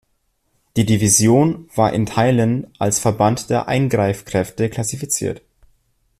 Die Division war in Teilen als Verband der Eingreifkräfte klassifiziert.